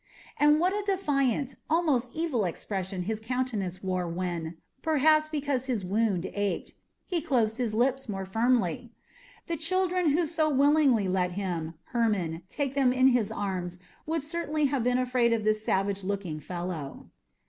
And what a defiant, almost evil expression his countenance wore when perhaps because his wound ached he closed his lips more firmly! The children who so willingly let him, Hermon, take them in his arms would certainly have been afraid of this savage looking fellow.